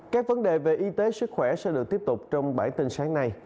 các vấn đề về y tế sức khỏe sẽ được tiếp tục trong bản tin sáng nay